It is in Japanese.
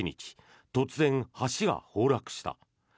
突然、橋が崩落した。